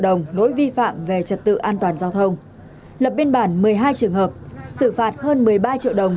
đồng lỗi vi phạm về trật tự an toàn giao thông lập biên bản một mươi hai trường hợp xử phạt hơn một mươi ba triệu đồng